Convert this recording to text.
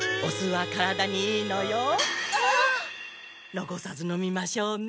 のこさず飲みましょうね。